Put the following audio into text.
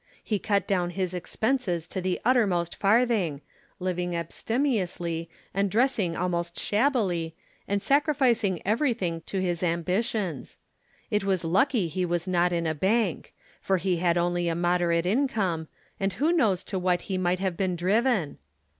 He cut down his expenses to the uttermost farthing, living abstemiously and dressing almost shabbily, and sacrificing everything to his ambitions. It was lucky he was not in a bank; for he had only a moderate income, and who knows to what he might have been driven?